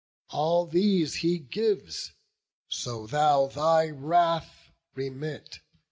All these he gives, so thou thy wrath remit.